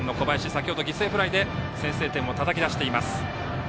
先ほど犠牲フライで先制点をたたき出しています。